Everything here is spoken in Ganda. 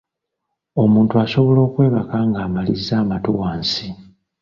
Omuntu asobola okwebaka ng’amalizza amatu wansi.